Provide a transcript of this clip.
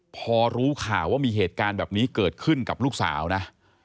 พอรู้ข่าวว่ามีเหตุการณ์แบบนี้เกิดขึ้นกับลูกสาวนะ